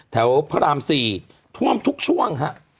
พระราม๔ท่วมทุกช่วงฮะ